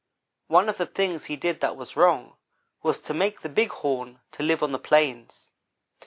"One of the things he did that was wrong, was to make the Big Horn to live on the plains.